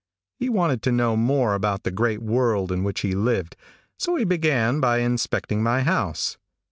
He wanted to know more about the great world in which he lived, so he began by inspecting my house.